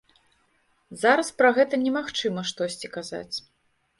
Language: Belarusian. Зараз пра гэта немагчыма штосьці казаць.